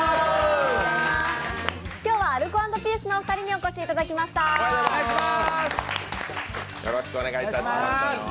今日はアルコ＆ピースのお二人にお越しいただきました。